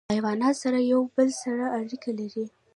حیوانات سره یو بل سره اړیکه لري.